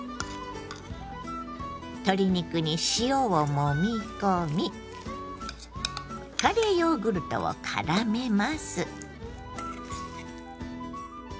鶏肉に塩をもみ込みカレーヨーグルトをからめます。